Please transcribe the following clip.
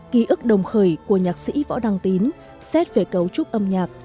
ký ức đồng khởi của nhạc sĩ võ đăng tín xét về cấu trúc âm nhạc